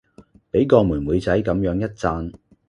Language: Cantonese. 俾個妹妹仔咁樣一讚